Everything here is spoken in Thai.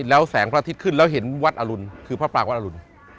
แล้วแสงพระอาทิตย์ขึ้นแล้วเห็นวัดอรุณคือพระปรางวัดอรุณ